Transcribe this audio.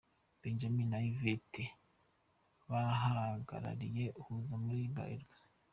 Benjamin na Yvette bahagarariye Huza muri Bralirwa.